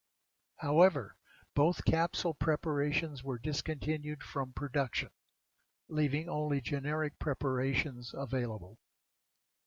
However, both capsule preparations were discontinued from production, leaving only generic preparations available.